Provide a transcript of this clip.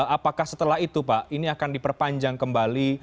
apakah setelah itu pak ini akan diperpanjang kembali